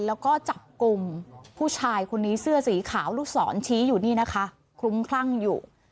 แล้วก็จับกลุ่มผู้ชายคนนี้เสื้อสีขาวลูกศรชี้อยู่นี่นะคะคลุ้มคลั่งอยู่